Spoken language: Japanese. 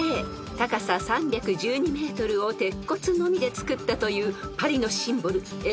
高さ３１２ｍを鉄骨のみで造ったというパリのシンボル］